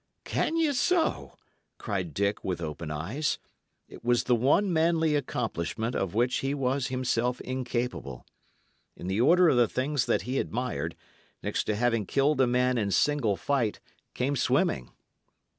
"Can ye so?" cried Dick, with open eyes. It was the one manly accomplishment of which he was himself incapable. In the order of the things that he admired, next to having killed a man in single fight came swimming.